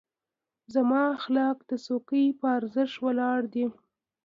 زموږ اخلاق د څوکۍ په ارزښت ولاړ دي.